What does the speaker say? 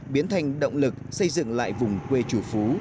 biến thành động lực xây dựng lại vùng quê chủ phú